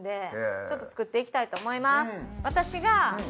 ちょっと作っていきたいと思います。